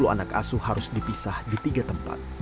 tiga puluh anak asuh harus dipisah di tiga tempat